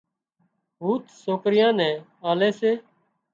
هوٿ سوڪريان نان لي سي